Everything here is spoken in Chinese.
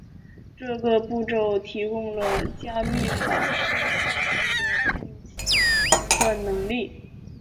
这个步骤提供了加密法非线性的变换能力。